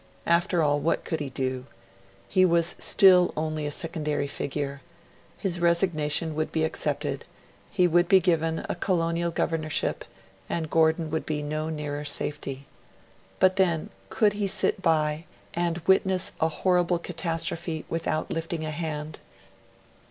After all, what could he do? He was still only a secondary figure; his resignation would be accepted; he would be given a colonial governorship and Gordon would be no nearer safety. But then, could he sit by and witness a horrible catastrophe, without lifting a hand?